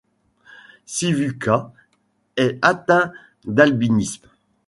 Sivuca est atteint d'albinisme.